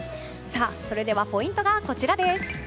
それではポイントがこちらです。